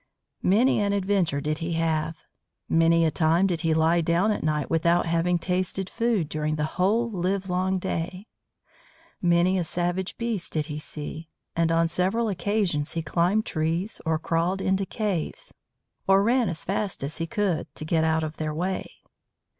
Many an adventure did he have. Many a time did he lie down at night without having tasted food during the whole livelong day. Many a savage beast did he see, and on several occasions he climbed trees, or crawled into caves, or ran as fast as he could, to get out of their way.